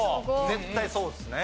絶対そうっすね。